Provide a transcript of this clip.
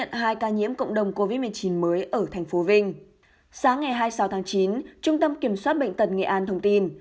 sáng ngày hai mươi sáu tháng chín trung tâm kiểm soát bệnh tật nghệ an thông tin